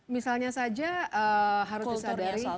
misalnya saja harus disadari